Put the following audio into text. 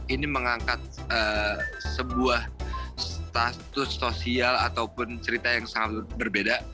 ini mengangkat sebuah status sosial ataupun cerita yang sangat berbeda